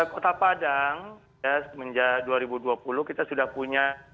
kota padang semenjak dua ribu dua puluh kita sudah punya